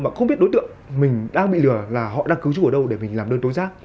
mà không biết đối tượng mình đang bị lừa là họ đang cứu trú ở đâu để mình làm đơn tối giác